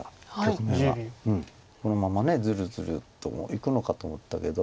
局面はこのままずるずるといくのかと思ったけど。